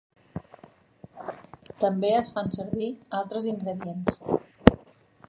També es fan servir altres ingredients.